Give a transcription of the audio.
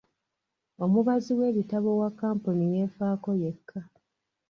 Omubazi w'ebitabo owa kampuni yeefaako yekka.